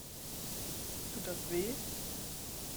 Tut das weh?